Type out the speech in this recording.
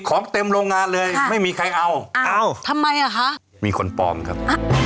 ของเต็มโรงงานเลยไม่มีใครเอาเอาทำไมอ่ะคะมีคนปลอมครับ